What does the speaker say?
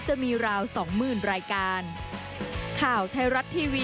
จะมีราว๒๐๐๐รายการ